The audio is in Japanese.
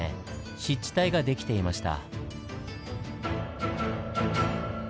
湿地帯が出来ていました。